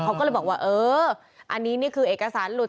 เขาก็เลยบอกว่าเอออันนี้นี่คือเอกสารหลุด